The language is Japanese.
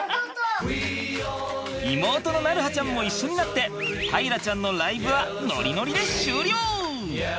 妹の鳴映ちゃんも一緒になって大樂ちゃんのライブはノリノリで終了！